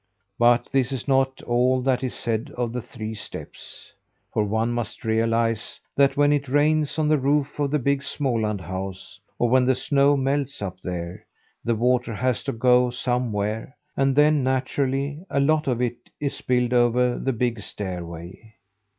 "But this is not all that is said of the three steps. For one must realise that when it rains on the roof of the big Småland house, or when the snow melts up there, the water has to go somewhere; and then, naturally, a lot of it is spilled over the big stairway.